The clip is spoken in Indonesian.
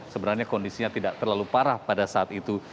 sebenarnya kondisinya tidak terlalu parah pada saat itu